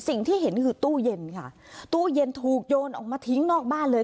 สิ่งที่เห็นคือตู้เย็นค่ะตู้เย็นถูกโยนออกมาทิ้งนอกบ้านเลย